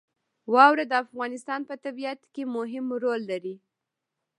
واوره د افغانستان په طبیعت کې مهم رول لري.